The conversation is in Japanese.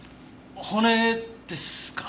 骨ですか。